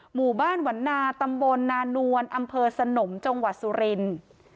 หมู่บ้านหวันนาตำบลนานวลอำเภอสนมจังหวัดสุรินทร์